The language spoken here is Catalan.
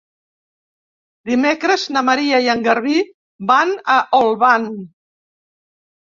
Dimecres na Maria i en Garbí van a Olvan.